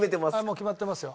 もう決まってますよ。